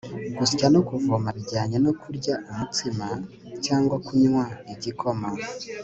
gusya no kuvoma bijyanye no kurya umutsima, cyangwa kunwa igikoma